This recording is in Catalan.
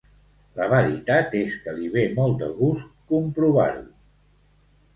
La veritat és que li ve molt de gust comprovar-ho.